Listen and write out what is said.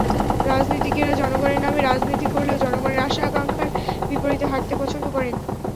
রাজনীতিকেরা জনগণের নামে রাজনীতি করলেও জনগণের আশা-আকাঙ্ক্ষার বিপরীতে হাঁটতে পছন্দ করেন।